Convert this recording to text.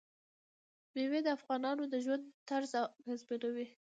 مېوې د افغانانو د ژوند طرز اغېزمنوي.